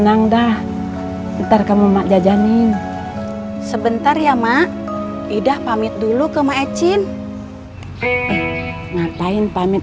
nangdah ntar kamu mak jajanin sebentar ya mak idah pamit dulu kemaecin ngapain pamit